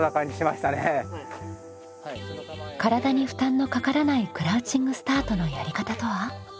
体に負担のかからないクラウチングスタートのやり方とは？